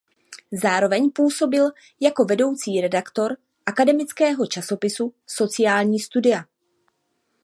Zároveň působil jako vedoucí redaktor akademického časopisu "Sociální studia".